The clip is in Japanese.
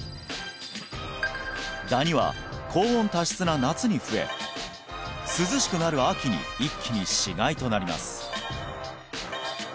ダニは高温多湿な夏に増え涼しくなる秋に一気に死骸となります